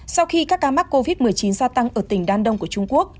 sau khi các ca mắc covid một mươi chín gia tăng ở tỉnh đan đông của trung quốc